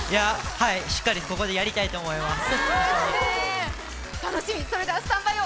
はい、しっかりここでやりたいと思います。